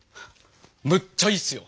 むっちゃいいっすよ！